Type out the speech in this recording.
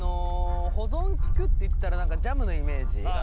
保存利くっていったら何かジャムのイメージ。